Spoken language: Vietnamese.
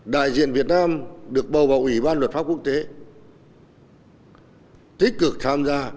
đại diện việt nam được bầu vào ủy ban luật pháp quốc tế tích cực tham gia